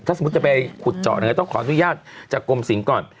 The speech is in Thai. ถ้าสมมุติจะไปขุดเจาะเนี่ยต้องขออนุญาตจากกรมศิลป์ก่อน